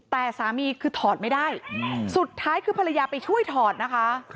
แต่สามีคือถอดไม่ได้สุดท้ายคือภรรยาไปช่วยถอดนะคะ